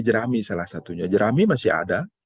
jerami salah satunya jerami masih ada